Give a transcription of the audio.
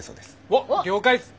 おっ了解っす。